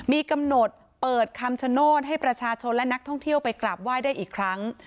มีกำหนดเปิดคำชโนธให้ประชาชนและนักท่องเที่ยวไปกราบไหว้ได้อีกครั้ง